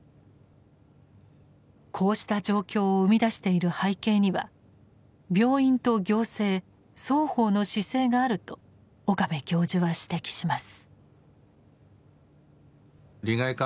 こうした状況を生み出している背景には病院と行政双方の姿勢があると岡部教授は指摘します。